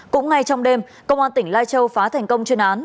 cũng ngay trong đêm công an tỉnh lai châu phá thành công chuyên án